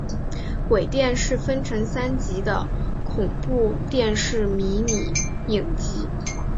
鬼店是分成三集的恐怖电视迷你影集。